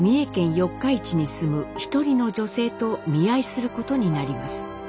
四日市に住む一人の女性と見合いすることになります。